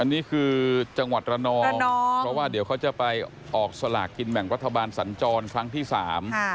อันนี้คือจังหวัดระนองเพราะว่าเดี๋ยวเขาจะไปออกสลากกินแบ่งรัฐบาลสัญจรครั้งที่สาม